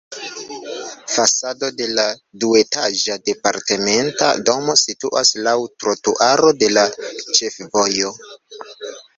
Fasado de la duetaĝa departementa domo situas laŭ trotuaro de la ĉefvojo.